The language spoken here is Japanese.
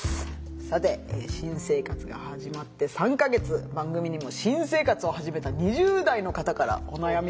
さて新生活が始まって３か月番組にも新生活をはじめた２０代の方からお悩みが届いてます。